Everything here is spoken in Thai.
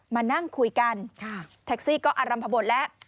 มานั่งคุยกันแท็กซี่ก็อารัมพบทแล้ว